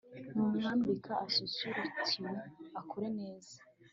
numwambika asusurukirwe akure neza